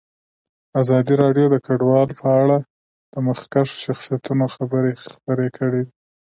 ازادي راډیو د کډوال په اړه د مخکښو شخصیتونو خبرې خپرې کړي.